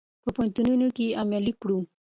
په پوهنتونونو کې یې علمي کړو.